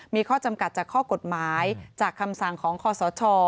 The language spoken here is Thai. มีข้อจำกัดจากข้อกฎหมายจากคำสั่งของคอสช